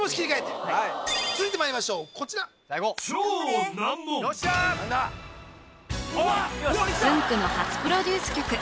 続いてまいりましょうこちらつんく♂の初プロデュース曲